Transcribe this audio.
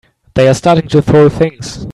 They're starting to throw things!